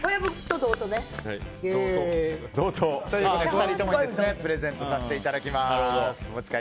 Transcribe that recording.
２人ともプレゼントさせていただきます。